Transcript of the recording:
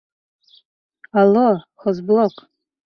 Алло, хозблок!